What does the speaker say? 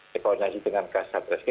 dikonsumsi dengan kasus polisi